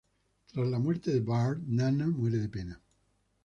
Tras la muerte de Baldr, Nanna muere de pena.